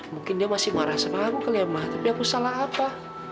mungkin dia masih marah senang aku kelemah tapi aku salah apa